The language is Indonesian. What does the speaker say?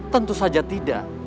tentu saja tidak